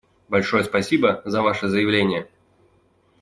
Большое спасибо за ваше заявление.